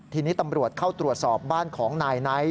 ทีนี้ตำรวจเข้าตรวจสอบบ้านของนายไนท์